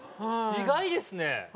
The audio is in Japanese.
意外ですね